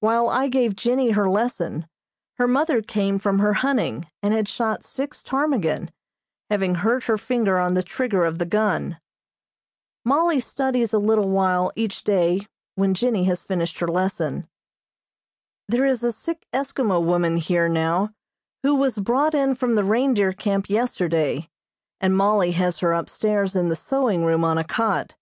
While I gave Jennie her lesson her mother came from her hunting, and had shot six ptarmigan, having hurt her finger on the trigger of the gun. Mollie studies a little while each day, when Jennie has finished her lesson. There is a sick Eskimo woman here now who was brought in from the reindeer camp yesterday, and Mollie has her upstairs in the sewing room on a cot.